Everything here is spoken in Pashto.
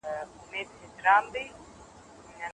ایا واړه پلورونکي تور ممیز ساتي؟